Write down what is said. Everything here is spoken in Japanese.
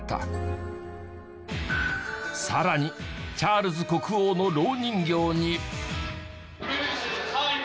さらにチャールズ国王の蝋人形に。